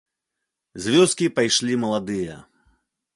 З вёскі пайшлі маладыя.